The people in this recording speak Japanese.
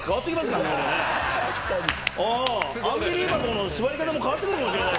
『アンビリバボー』の座り方も変わってくるかもしれない。